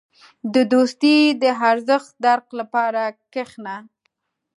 • د دوستۍ د ارزښت درک لپاره کښېنه.